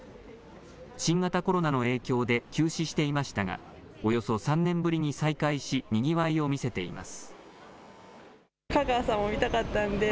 新型コロナの影響で休止していましたが、およそ３年ぶりに再開し、にぎわいを見せています。